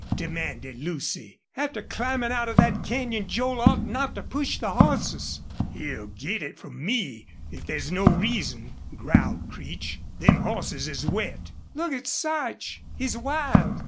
demanded Lucy. "After climbing out of that canyon Joel ought not to push the horses." "He'll git it from me if there's no reason," growled Creech. "Them hosses is wet." "Look at Sarch! He's wild.